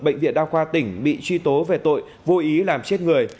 bệnh viện đa khoa tỉnh bị truy tố về tội vô ý làm chết người